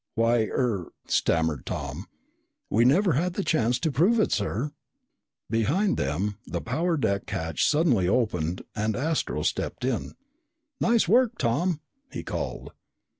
"Why er " stammered Tom, "we've never had the chance to prove it, sir." Behind them, the power deck hatch suddenly opened and Astro stepped in. "Nice work, Tom!" he called.